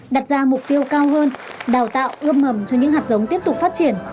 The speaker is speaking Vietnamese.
đặt ra mục tiêu cao hơn đào tạo ươm mầm cho những hạt giống tiếp tục phát triển